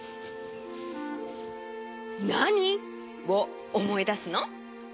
「なに」をおもいだすの？